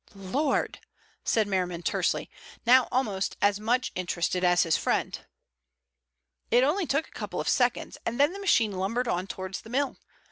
"Lord!" said Merriman tersely, now almost as much interested as his friend. "It only took a couple of seconds, and then the machine lumbered on towards the mill.